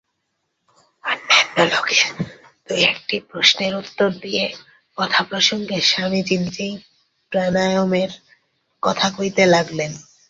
অন্যান্য লোকের দু-একটি প্রশ্নের উত্তর দিয়ে কথাপ্রসঙ্গে স্বামীজী নিজেই প্রাণায়ামের কথা কইতে লাগলেন।